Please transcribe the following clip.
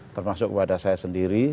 termasuk kepada saya sendiri